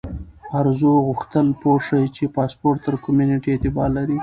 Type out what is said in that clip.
ارزو غوښتل پوه شي چې پاسپورت تر کومې نیټې اعتبار لري.